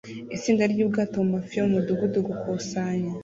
Itsinda ryubwato mumafi yo mumudugudu gukusanya